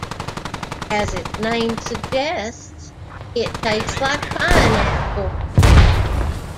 As its name suggests, it tastes like pineapple.